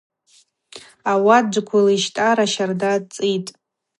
Ауат джвыквлищтара щарда цӏитӏ.